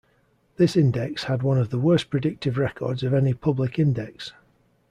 This index had one of the worst predictive records of any public index.